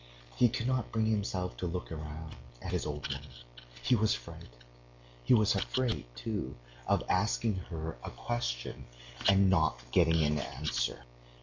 He could not bring himself to look round at his old woman: he was frightened. He was afraid, too, of asking her a question and not getting an answer.